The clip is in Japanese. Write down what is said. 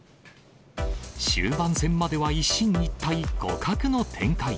終盤戦までは一進一退、互角の展開。